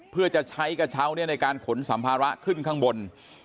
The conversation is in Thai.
เพื่อจะใช้กระเช้าในการขนสัมภาระขึ้นข้างบน